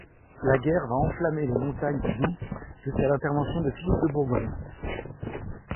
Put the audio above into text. La guerre va enflammée les montagnes du Doubs jusqu'à l'intervention de Philippe de Bourgogne.